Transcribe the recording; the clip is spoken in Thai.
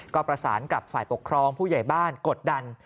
ก็ประสานกับฝ่ายปกครองผู้ใหญ่บ้านกดดัน